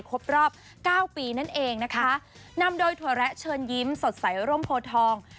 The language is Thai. ครบรอบเก้าปีนั่นเองนะคะนำโดยถั่วแระเชิญยิ้มสดใสร่มโพทอง